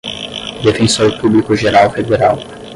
defensor público-geral federal